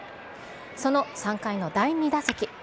その３回の第２打席。